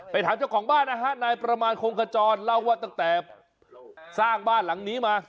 ถามเจ้าของบ้านนะฮะนายประมาณคงขจรเล่าว่าตั้งแต่สร้างบ้านหลังนี้มา